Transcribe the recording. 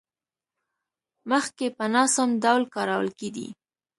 مخکې په ناسم ډول کارول کېدې.